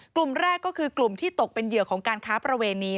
กลุ่มแรกก็คือกลุ่มที่ตกเป็นเหยื่อของการค้าประเวณี